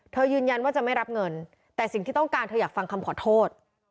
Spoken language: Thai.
ยืนยันว่าจะไม่รับเงินแต่สิ่งที่ต้องการเธออยากฟังคำขอโทษ